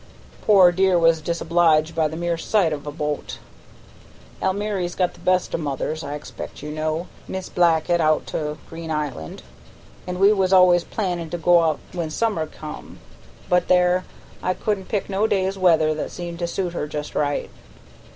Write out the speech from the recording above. Poor dear was disobliged by the mere sight of a bo't. Almiry's got the best o' mothers, I expect you know; Mis' Blackett out to Green Island; and we was always plannin' to go out when summer come; but there, I couldn't pick no day's weather that seemed to suit her just right.